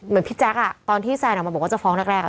เหมือนพี่แจ๊กอ่ะตอนที่แซนออกมาบอกว่าจะฟ้องแรก